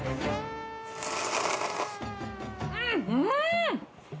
うん！